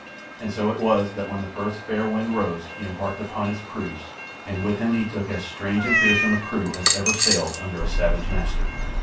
And so it was that when the first fair wind rose he embarked upon his cruise, and with him he took as strange and fearsome a crew as ever sailed under a savage master.